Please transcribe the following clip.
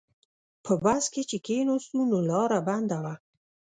په بس کې چې کیناستو نو لاره بنده وه.